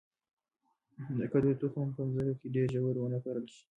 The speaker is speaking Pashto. د کدو تخم باید په مځکه کې ډیر ژور ونه کرل شي.